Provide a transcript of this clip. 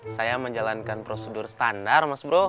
saya menjalankan prosedur standar mas bro